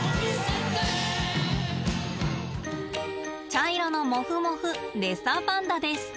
茶色のモフモフレッサーパンダです。